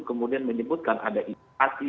kemudian menyebutkan ada indikasi